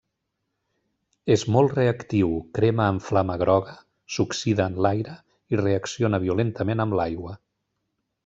És molt reactiu, crema amb flama groga, s'oxida en l'aire i reacciona violentament amb l'aigua.